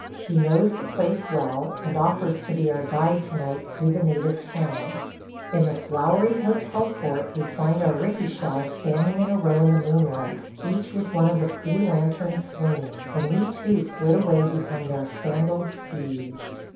He knows the place well, and offers to be our guide to night through the native town. In the flowery hotel court we find our 'rikishas standing in a row in the moonlight, each with one of the pretty lanterns swinging; and we too flit away behind our sandalled steeds.